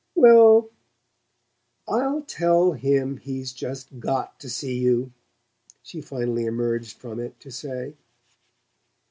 "Well, I'll tell him he's just GOT to see you," she finally emerged from it to say.